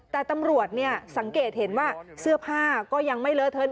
แต่ตำรวจสังเกตเห็นว่าเสื้อผ้าก็ยังไม่เลอะเทิน